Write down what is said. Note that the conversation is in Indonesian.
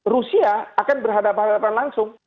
rusia akan berhadapan langsung